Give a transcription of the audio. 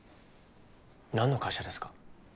何の会社ですか？